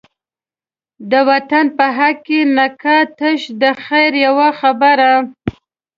د وطن په حق کی نه کا، تش د خیر یوه خبره